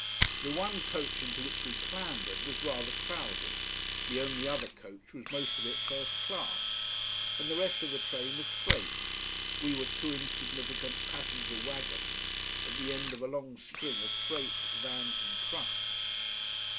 The one coach into which we clambered was rather crowded. The only other coach was most of it first class. And the rest of the train was freight. We were two insignificant passenger wagons at the end of a long string of freight vans and trucks.